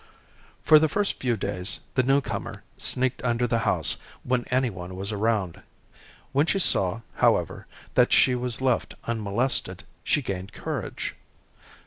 For the first few days the newcomer sneaked under the house when any one was around. When she saw, however, that she was left unmolested, she gained courage.